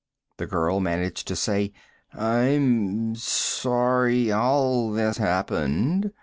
The girl managed to say, "I'm sorry all this happened."